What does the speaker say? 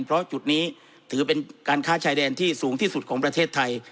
เพราะจุดนี้ถือเป็นการค้าชายแดนที่สูงที่สุดของประเทศไทย